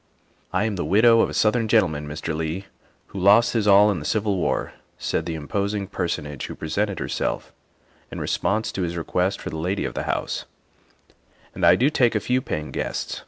" I am the widow of a Southern gentleman, Mr. Leigh, who lost his all in the Civil War," said the im THE SECRETARY OF STATE 31 posing personage who presented herself in response to his request for the lady of the house, " and I do take a few paying guests.